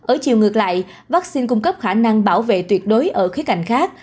ở chiều ngược lại vaccine cung cấp khả năng bảo vệ tuyệt đối ở khía cạnh khác